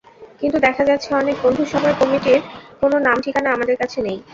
কিন্তু দেখা যাচ্ছে, অনেক বন্ধুসভার কমিটির কোনো নাম-ঠিকানা আমাদের কাছে নেই।